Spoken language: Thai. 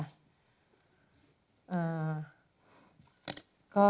อ่าก็